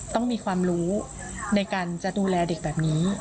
ต้องมีความรู้ในการจะดูแลเด็กแบบนี้